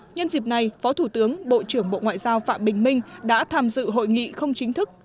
nhân dịp này phó thủ tướng bộ trưởng bộ ngoại giao phạm bình minh đã tham dự hội nghị không chính thức